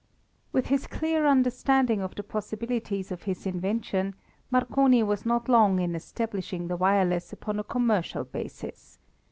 With his clear understanding of the possibilities of his invention, Marconi was not long in establishing the wireless upon a commercial basis.